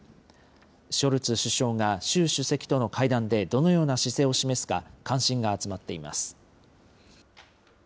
ショルツ首相が習主席との会談でどのような姿勢を示すか、関心が集まっています。